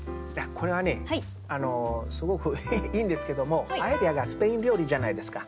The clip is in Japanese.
これはねすごくいいんですけども「パエリア」がスペイン料理じゃないですか。